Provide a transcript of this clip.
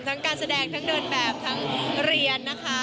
การแสดงทั้งเดินแบบทั้งเรียนนะคะ